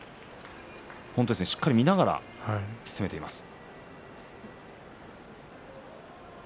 しっかり見ながら防いでいます。